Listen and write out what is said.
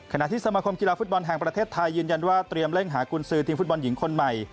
ที่สมาคมกีฬาฟุตบอลแห่งประเทศไทยยืนยันว่าเตรียมเร่งหากุญสือทีมฟุตบอลหญิงคนใหม่